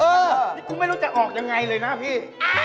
ดิฉันไม่รู้จะออกอย่างไรเลยนะพี่